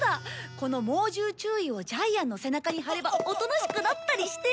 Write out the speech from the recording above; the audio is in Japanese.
この猛獣注意をジャイアンの背中に貼ればおとなしくなったりして。